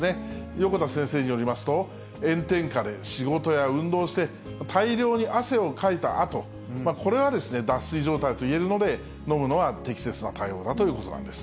横田先生によりますと、炎天下で仕事や運動をして、大量の汗をかいたあと、これは脱水状態といえるので、飲むのが適切な対応だということなんです。